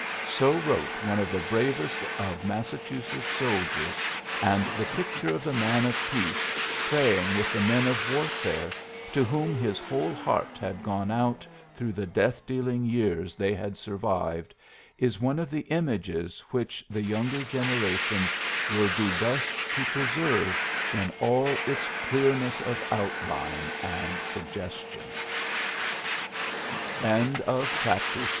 '' So wrote one of the bravest of Massachusetts soldiers, and the picture of the man of peace praying with the men of warfare to whom his whole heart had gone out through the death dealing years they had survived is one of the images which the younger generation will do best to preserve in all its c